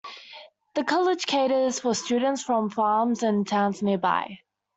The college caters for students from farms and towns nearby.